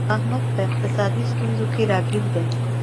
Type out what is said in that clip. احمد په اقتصادي ستونزو کې راگیر دی